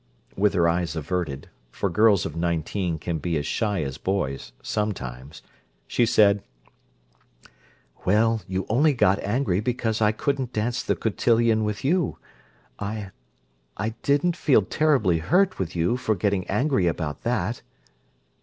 With her eyes averted—for girls of nineteen can be as shy as boys, sometimes—she said, "Well—you only got angry because I couldn't dance the cotillion with you. I—I didn't feel terribly hurt with you for getting angry about _that!